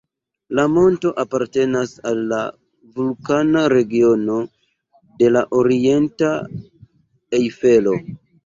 La monto apartenas al la vulkana regiono de la orienta Ejfelo.